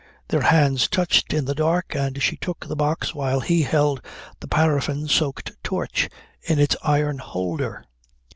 Their hands touched in the dark and she took the box while he held the paraffin soaked torch in its iron holder.